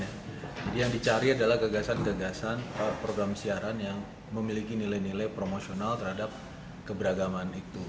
jadi yang dicari adalah gagasan gagasan program siaran yang memiliki nilai nilai promosional terhadap keberagaman itu